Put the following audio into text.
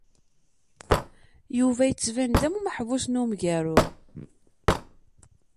Yuba yettban-d am umeḥbus n umgaru.